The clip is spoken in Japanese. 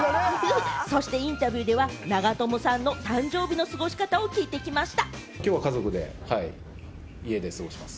そしてインタビューでは長友さんの誕生日の過ごし方を聞いてきました。